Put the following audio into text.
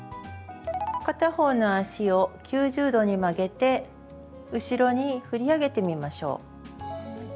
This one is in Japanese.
片方の足を９０度に曲げて後ろに振り上げてみましょう。